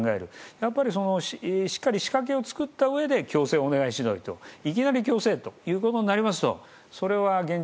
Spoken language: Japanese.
やっぱり、そのしっかり仕掛けを作ったうえで強制をお願いしないといきなり強制ということになりますとそれは現状